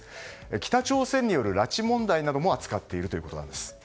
北朝鮮による拉致問題も扱っているということです。